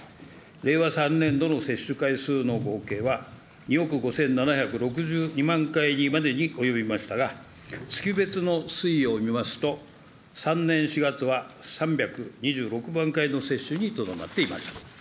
令和３年度の接種回数の合計は２億５７６２万回までに及びましたが、月別の推移を見ますと、３年４月は３２６万回の接種にとどまっていました。